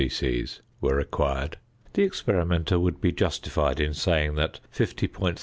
c. were required, the experimenter would be justified in saying that 50.3 c.c.